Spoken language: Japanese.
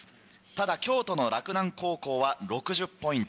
ただ京都の洛南高校は６０ポイント。